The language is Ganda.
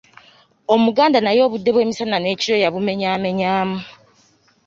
Omuganda naye obudde bw'emisana n’ekiro yabumenyaamenyamu